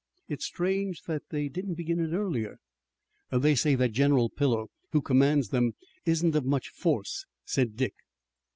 It's strange that they didn't begin it earlier." "They say that General Pillow, who commands them, isn't of much force," said Dick.